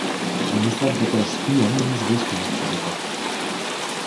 Мислат дека е шпион и известувач, реков.